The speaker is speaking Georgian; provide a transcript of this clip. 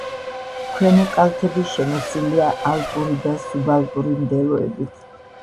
ქვემო კალთები შემოსილია ალპური და სუბალპური მდელოებით.